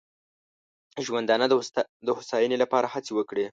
ژوندانه د هوساینې لپاره هڅې وکړي.